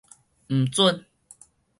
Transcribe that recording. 毋准